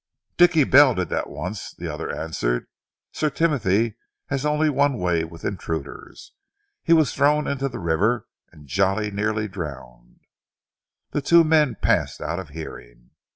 "Dicky Bell did that once," the other answered. "Sir Timothy has only one way with intruders. He was thrown into the river and jolly nearly drowned." The two men passed out of hearing.